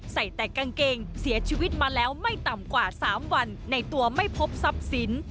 ใส่แต่กางเกงเสียชีวิตมาแล้วไม่ต่ำกว่า๓วันในตัวไม่พบทรัพย์สิน